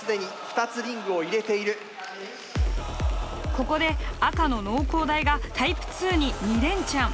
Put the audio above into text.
ここで赤の農工大がタイプ２に２連チャン。